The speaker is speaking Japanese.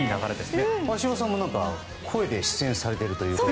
鷲尾さんも声で出演されているということで。